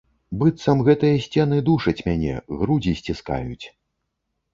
Быццам гэтыя сцены душаць мяне, грудзі сціскаюць.